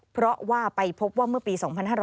เพราะว่าไปพบว่าเมื่อปี๒๕๕๙